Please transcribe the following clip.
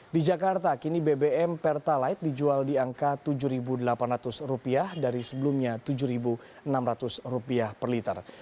di jakarta kini bbm pertalite dijual di angka rp tujuh delapan ratus dari sebelumnya rp tujuh enam ratus per liter